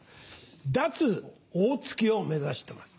脱大月を目指してます。